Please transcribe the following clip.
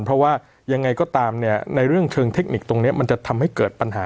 เพราะว่ายังไงก็ตามเนี่ยในเรื่องเชิงเทคนิคตรงนี้มันจะทำให้เกิดปัญหา